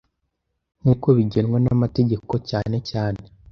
Nk’uko bigenwa n’amategeko cyane cyane